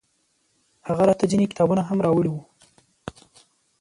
هغه راته ځينې کتابونه هم راوړي وو.